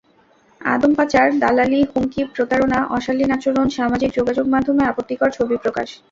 আদম পাচার, দালালি, হুমকি, প্রতারণা, অশালীন আচরণ, সামাজিক যোগাযোগমাধ্যমে আপত্তিকর ছবি প্রকাশ।